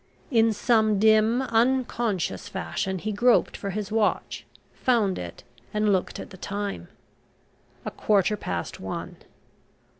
In some dim, unconscious fashion he groped for his watch, found it, and looked at the time. A quarter past one.